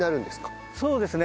そうですね。